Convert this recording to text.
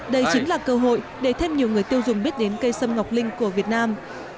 đây chính là cơ hội để thêm nhiều người tiêu dùng biết đến cây sâm ngọc linh của việt nam